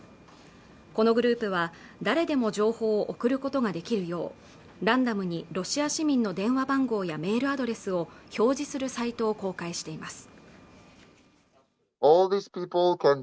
このグループは誰でも情報を送ることができるようランダムにロシア市民の電話番号やメールアドレスを表示するサイトを公開しています